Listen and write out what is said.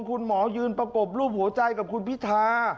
คุณหมอยืนประกบรูปหัวใจกับคุณพิธา